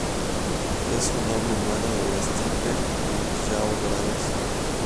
Es un noble humano de la estirpe de los yao dorados.